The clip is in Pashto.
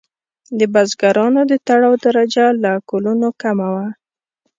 د بزګرانو د تړاو درجه له کولونو کمه وه.